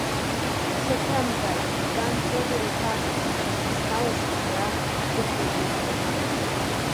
Саҭамзааит, Иван Фиодор-иԥа, аха сха ла сцара иԥышәоу усуп.